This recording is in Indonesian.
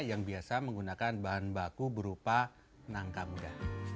yang biasa menggunakan bahan baku berupa nangka muda